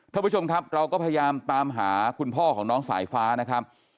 ท่านผู้ชมครับเราก็พยายามตามหาคุณพ่อของน้องสายฟ้านะครับ